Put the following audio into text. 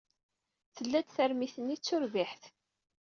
Tella-d termit-nni d turbiḥt.